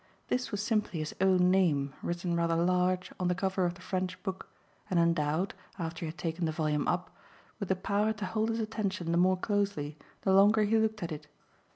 This was simply his own name written rather large on the cover of the French book and endowed, after he had taken the volume up, with the power to hold his attention the more closely the longer he looked at it.